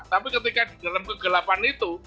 tapi ketika di dalam kegelapan itu